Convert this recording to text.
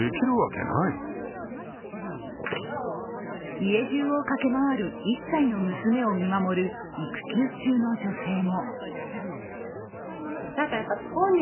家じゅうを駆け回る１歳の娘を見守る育休中の女性も。